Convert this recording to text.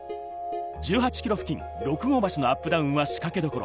１８ｋｍ付近、六郷橋のアップダウンは仕掛けどころ。